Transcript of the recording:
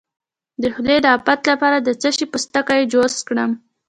د خولې د افت لپاره د څه شي پوستکی جوش کړم؟